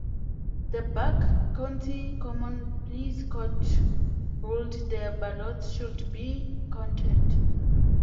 The Bucks County Common Pleas Court ruled the ballots should be counted.